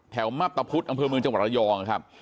มับตะพุธอำเภอเมืองจังหวัดระยองครับ